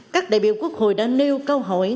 các đại biểu quốc hội đã nêu câu hỏi